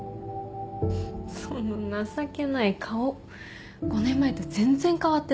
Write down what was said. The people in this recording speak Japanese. その情けない顔５年前と全然変わってない。